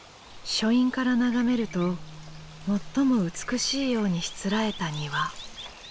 書院から眺めると最も美しいようにしつらえた庭。